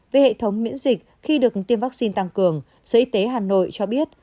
về hệ thống miễn dịch khi được tiêm vaccine tăng cường sở y tế hà nội cho biết